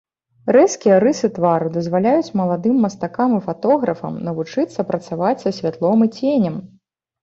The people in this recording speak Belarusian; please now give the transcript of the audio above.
Рэзкія рысы твару дазваляюць маладым мастакам і фатографам навучыцца працаваць са святлом і ценем.